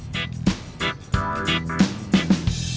langsung membentuk barisan